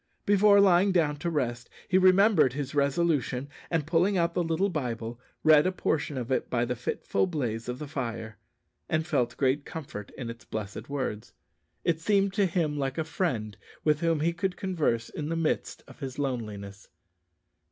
Before lying down to rest he remembered his resolution, and pulling out the little Bible, read a portion of it by the fitful blaze of the fire, and felt great comfort in its blessed words. It seemed to him like a friend with whom he could converse in the midst of his loneliness.